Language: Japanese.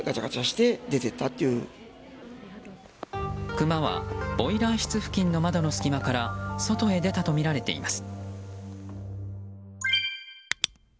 クマはボイラー室付近の窓の隙間から外へ出たとみられています。